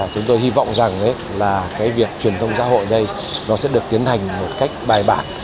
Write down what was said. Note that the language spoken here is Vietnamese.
chúng tôi hy vọng rằng việc truyền thông xã hội này sẽ được tiến hành một cách bài bản